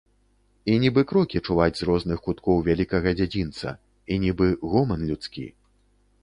І нібы крокі чуваць з розных куткоў вялікага дзядзінца, і нібы гоман людскі.